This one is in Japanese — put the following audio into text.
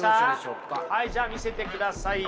はいじゃあ見せてください。